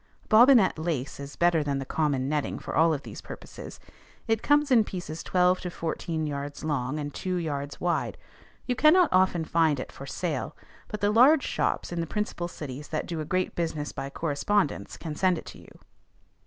Bobbinet lace is better than the common netting for all of these purposes. It comes in pieces twelve to fourteen yards long, and two yards wide. You cannot often find it for sale; but the large shops in the principal cities that do a great business by correspondence can send it to you.